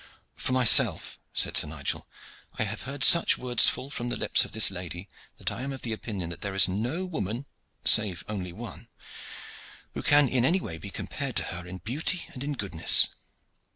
"For myself," said Sir Nigel, "I have heard such words fall from the lips of this lady that I am of the opinion that there is no woman, save only one, who can be in any way compared to her in beauty and in goodness.